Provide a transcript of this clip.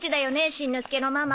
しんのすけのママ。